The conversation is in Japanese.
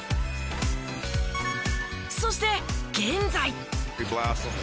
そして現在。